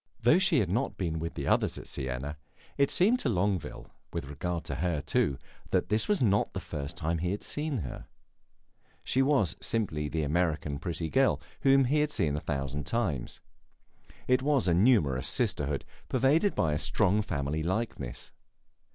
Though she had not been with the others at Siena, it seemed to Longueville, with regard to her, too, that this was not the first time he had seen her. She was simply the American pretty girl, whom he had seen a thousand times. It was a numerous sisterhood, pervaded by a strong family likeness.